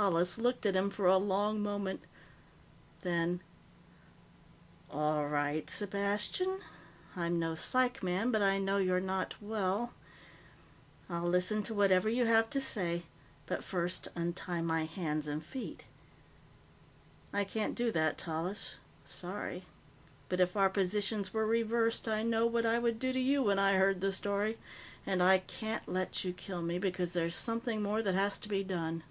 Tallis looked at him for a long moment. Then, "All right, Sepastian. I'm no psych man, but I know you're not well. I'll listen to whatever you have to say. But first, untie my hands and feet." "I can't do that, Tallis. Sorry. But if our positions were reversed, I know what I would do to you when I heard the story. And I can't let you kill me, because there's something more that has to be done."